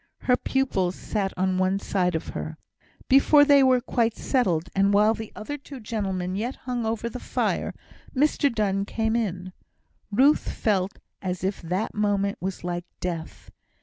Her pupils sat one on each side of her. Before they were quite settled, and while the other two gentlemen yet hung over the fire, Mr Donne came in. Ruth felt as if that moment was like death.